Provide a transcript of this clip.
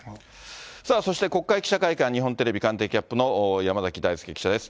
さあそして、国会記者会館、日本テレビ官邸キャップの山崎大輔記者です。